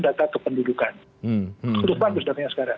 data kependudukan hmm